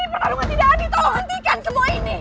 pertarungan tidak adil tolong hentikan semua ini